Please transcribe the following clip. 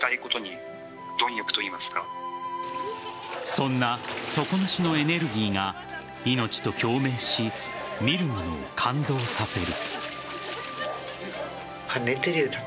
そんな底なしのエネルギーが命と共鳴し、見る者を感動させる。